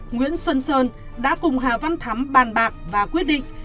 nguyễn xuân sơn đã cùng hà văn thắm bàn bạc và quyết định